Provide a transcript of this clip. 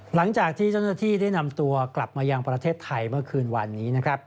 หลังจากที่เจ้าหน้าที่ได้นำตัวกลับมายังประเทศไทยเมื่อคืนวันนี้นะครับ